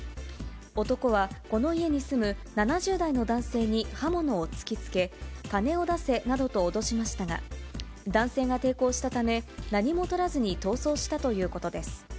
男は、この家に住む７０代の男性に刃物を突きつけ、金を出せなどと脅しましたが、男性が抵抗したため、何もとらずに逃走したということです。